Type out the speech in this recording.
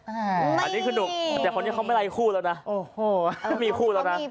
อันนี้คือหนุ่มแต่คนนี้เขาไม่ไร้คู่แล้วนะ